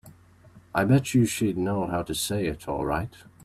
I bet you she'd know how to say it all right.